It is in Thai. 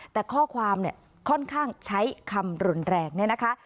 แต่ข้อความเนี่ยค่อนข้างใช้คำรุนแรงเนี่ยนะคะ